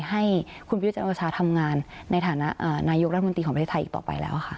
ให้คุณประยุทธ์จันทร์โอชาทำงานในฐานะนายกรัฐมนตรีของประเทศไทยอีกต่อไปแล้วค่ะ